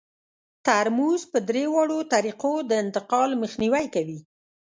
ترموز په درې واړو طریقو د انتقال مخنیوی کوي.